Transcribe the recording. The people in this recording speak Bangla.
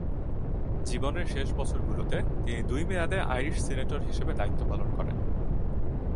জীবনের শেষ বছরগুলোতে তিনি দুই মেয়াদে আইরিশ সিনেটর হিসেবে দায়িত্ব পালন করেন।